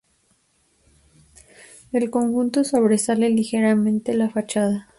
El conjunto sobresale ligeramente la fachada.